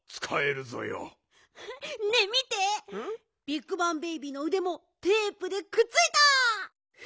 ビッグバン・ベイビーのうでもテープでくっついた！